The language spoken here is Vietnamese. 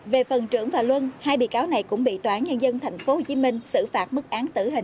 về phần trưởng và luân hai bị cáo này cũng bị toán nhân dân tp hcm xử phạt bức án tử hình